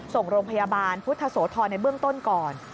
ส่งโรงพยาบาลพุทธโสธรในเบื้องต้นก่อน